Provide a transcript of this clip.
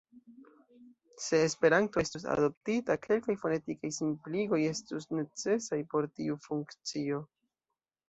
Se Esperanto estus adoptita, kelkaj fonetikaj simpligoj estus necesaj por tiu funkcio.